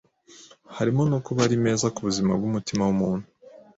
harimo no kuba ari meza ku buzima bw’umutima w’umuntu